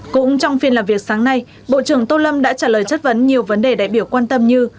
cũng trong phiên làm việc sáng nay bộ trưởng tô lâm đã trả lời chất vấn nhiều vấn đề đại biểu quan tâm như